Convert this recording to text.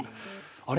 あれ？